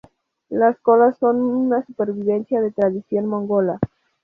Las colas son una supervivencia de la tradición mongola.